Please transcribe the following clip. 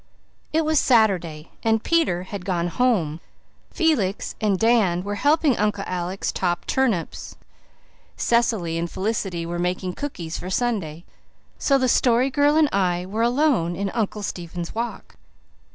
It was Saturday and Peter had gone home; Felix and Dan were helping Uncle Alec top turnips; Cecily and Felicity were making cookies for Sunday, so the Story Girl and I were alone in Uncle Stephen's Walk.